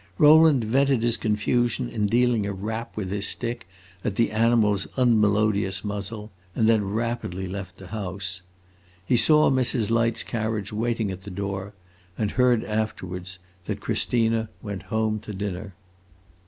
Rowland vented his confusion in dealing a rap with his stick at the animal's unmelodious muzzle, and then rapidly left the house. He saw Mrs. Light's carriage waiting at the door, and heard afterwards that Christina went home to dinner.